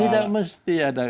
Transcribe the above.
tidak mesti ada